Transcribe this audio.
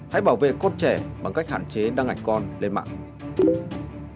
hãy bảo vệ con trẻ bằng cách hạn chế đăng ảnh con lên mạng